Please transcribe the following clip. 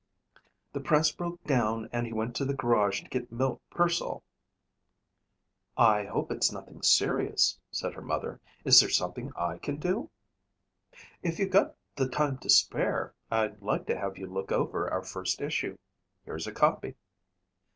"The press broke down and he went to the garage to get Milt Pearsall." "I hope it's nothing serious," said her mother. "Is there something I can do?" "If you've got the time to spare, I'd like to have you look over our first issue. Here's a copy."